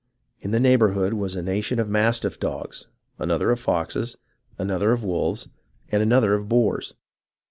In the heighbourhood was a nation of mastiff dogs, another of foxes, another of wolves, and another of boars.